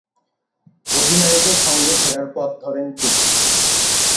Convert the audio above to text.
অধিনায়কের সঙ্গে ফেরার পথ ধরেন চেতন।